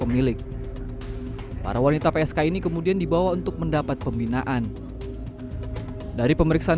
milik para wanita psk ini kemudian dibawa untuk mendapat pembinaan dari pemeriksaan